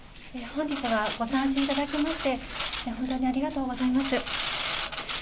本日はご参集いただきまして、本当にありがとうございます。